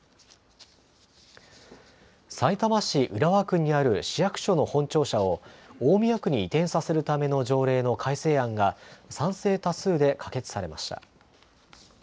さいたま市浦和区にある市役所の本庁舎を、大宮区に移転させるための条例の改正案が、賛成多数で可決されました。